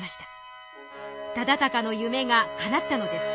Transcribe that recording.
忠敬の夢がかなったのです。